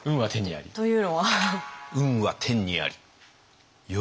というのは？